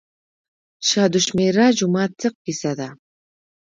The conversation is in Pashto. شاه دوشمشیره جومات څه کیسه لري؟